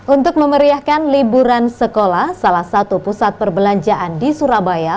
untuk memeriahkan liburan sekolah salah satu pusat perbelanjaan di surabaya